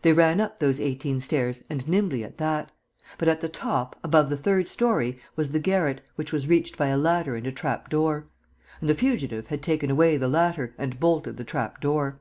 They ran up those eighteen stairs and nimbly at that! But, at the top, above the third story, was the garret, which was reached by a ladder and a trapdoor. And the fugitive had taken away the ladder and bolted the trapdoor.